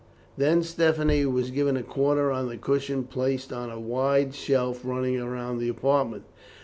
Then Stephanie was given a corner on the cushion placed on a wide shelf running round the apartment.